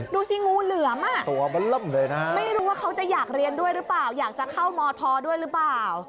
ดูสิงูเหลือมอ่ะไม่รู้ว่าเขาจะอยากเรียนด้วยหรือเปล่าอยากจะเข้ามธด้วยหรือเปล่า